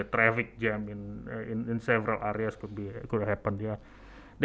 jam trafik di beberapa kawasan bisa terjadi